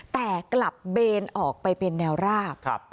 แต่กลับเบนออกไปเป็นแนวราบ